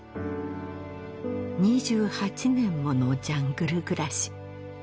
２８年ものジャングル暮らし